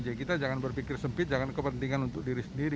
jadi kita jangan berpikir sempit jangan berpikir kepentingan untuk diri sendiri